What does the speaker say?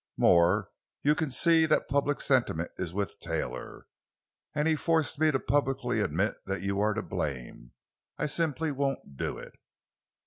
More, you can see that public sentiment is with Taylor. And he forced me to publicly admit that you were to blame. I simply won't do it!"